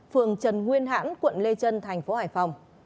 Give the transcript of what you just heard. phường trần nguyên hãn quận lê trân tp hải phòng